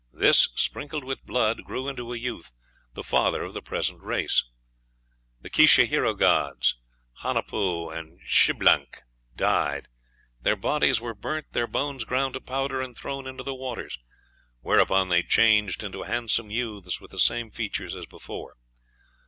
This, sprinkled with blood, grew into a youth, the father of the present race. The Quiche hero gods, Hunaphu and Xblanque, died; their bodies were burnt, their bones ground to powder and thrown into the waters, whereupon they changed into handsome youths, with the same features as before.